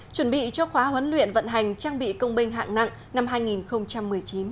chuẩn bị cho khóa huấn luyện vận hành trang bị công binh hạng nặng năm hai nghìn một mươi chín